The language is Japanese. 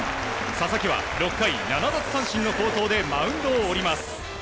佐々木は６回７奪三振の好投でマウンドを降ります。